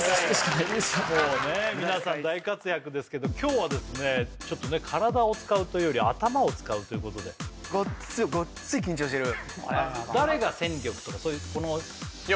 もうね皆さん大活躍ですけど今日はちょっとね体を使うというより頭を使うということでごっついいや